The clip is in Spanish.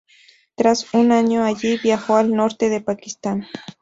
Tras un año allí, viajó al norte de Pakistán.